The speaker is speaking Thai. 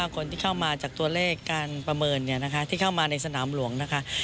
คนที่เข้ามาจากตัวเลขการประเมินที่เข้ามาในสนามหลวงนะคะ